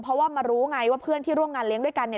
เพราะว่ามารู้ไงว่าเพื่อนที่ร่วมงานเลี้ยงด้วยกันเนี่ย